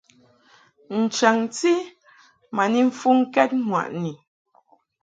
N-chaŋti ma ni mfuŋkɛd ŋwaʼni.